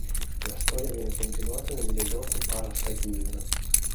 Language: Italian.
La storia viene continuata nel videogioco "Parasite Eve".